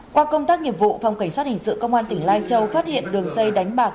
qua công tác nghiệp vụ phòng cảnh sát hình sự công an tỉnh lai châu phát hiện đường dây đánh bạc